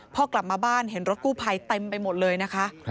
พอกลับมาบ้านเห็นรถกู้ภัยเต็มไปหมดเลยนะคะ